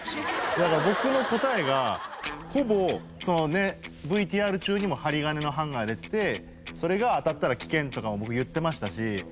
だから僕の答えがほぼそのねＶＴＲ中にも針金のハンガー出ててそれが当たったら危険とかも僕言ってましたし。